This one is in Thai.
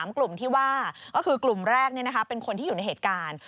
๓กลุ่มที่ว่าก็คือกลุ่มแรกเป็นคนที่อยู่ในเหตุการณ์